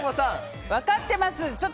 分かってます！